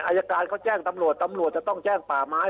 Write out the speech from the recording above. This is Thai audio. อายการเขาแจ้งตำรวจตำรวจจะต้องแจ้งป่าไม้